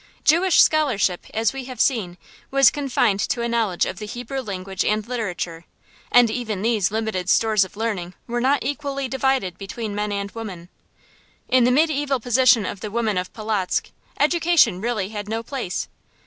Jewish scholarship, as we have seen, was confined to a knowledge of the Hebrew language and literature, and even these limited stores of learning were not equally divided between men and women. In the mediæval position of the women of Polotzk education really had no place.